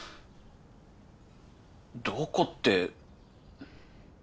どこって。